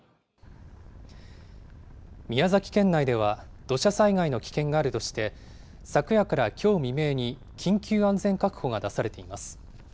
宮崎県内では土砂災害の危険があるとして、昨夜からきょう未明に緊急安全確保が出されています。